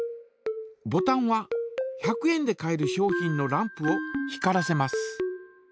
ボタンは１００円で買える商品のランプを光らせます。